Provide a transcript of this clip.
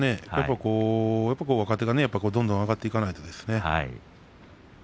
若手がどんどん上がっていかないと。